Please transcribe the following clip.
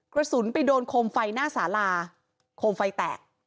กระสุนไปโดนโคมไฟหน้าสาลาโคมไฟแตก